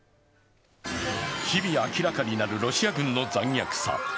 日々明らかになるロシア軍の残虐さ。